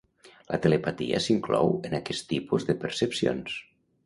La telepatia s'inclou en aquest tipus de percepcions.